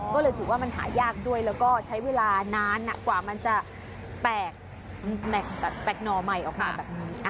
ก็เลยถือว่ามันหายากด้วยแล้วก็ใช้เวลานานกว่ามันจะแปลกหน่อใหม่ออกมาแบบนี้